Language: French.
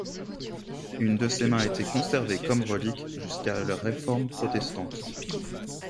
Une de ses mains était conservée comme relique jusqu'à la réforme protestante.